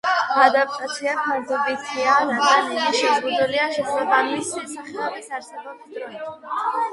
ადაპტაცია ფარდობითია, რადგანაც იგი შეზღუდულია შესაბამისი სახეობის არსებობის დროით.